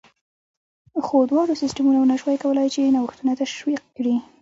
خو دواړو سیستمونو ونه شوای کولای چې نوښتونه تشویق کړي